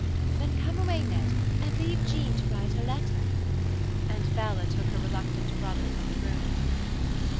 "Then come away, Ned, and leave Jean to write her letter." And Bella took her reluctant brother from the room.